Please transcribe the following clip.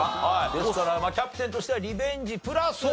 ですからキャプテンとしてはリベンジプラス